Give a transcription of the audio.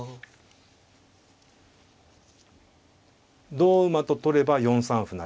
同馬と取れば４三歩成。